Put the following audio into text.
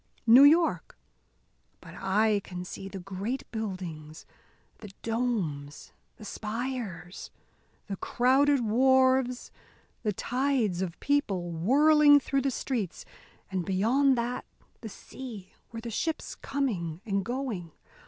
New York! But I can see the great buildings, the domes, the spires, the crowded wharves, the tides of people whirling through the streets and beyond that, the sea, with the ships coming and going!